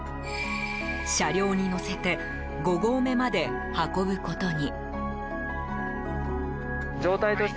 車両に乗せて５合目まで運ぶことに。